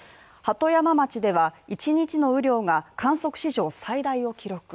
鳩山町では１日の雨量が観測史上最大を記録。